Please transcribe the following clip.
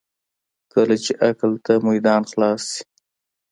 کله چې عقل ته میدان خلاص شي.